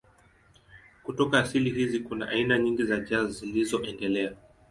Kutoka asili hizi kuna aina nyingi za jazz zilizoendelea.